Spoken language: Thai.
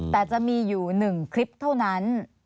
แต่จะมีอยู่๑คลิปเท่านั้น